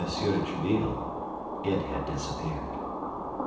de Tréville, it had disappeared.